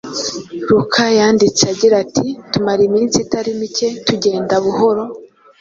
Luka yanditse agira ati: “Tumara iminsi itari mike tugenda buhoro,